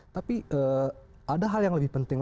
tapi ada hal yang lebih penting